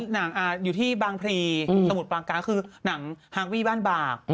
หนังอยู่ที่บางพลีสมุทรปาการคือหนังฮาวีบ้านบาก